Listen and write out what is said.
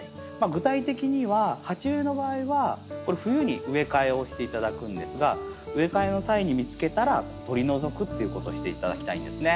具体的には鉢植えの場合は冬に植え替えをして頂くんですが植え替えの際に見つけたら取り除くっていうことをして頂きたいんですね。